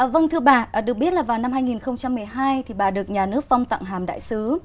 vâng thưa bà được biết là vào năm hai nghìn một mươi hai thì bà được nhà nước phong tặng hàm đại sứ